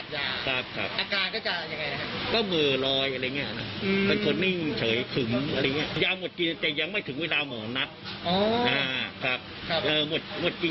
เพราะงั้นยังไม่ไปยังไม่ถึงเวลานัด